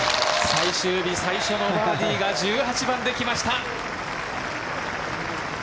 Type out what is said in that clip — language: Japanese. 最終日最初のバーディーが１８番で来ました。